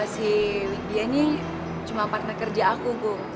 si wibia nih cuma partner kerja aku bu